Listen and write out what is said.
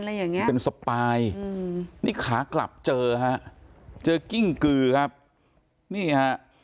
เป็นสปายอืมนี่ขากลับเจอฮะเจอกิ้งกือครับนี่ฮะ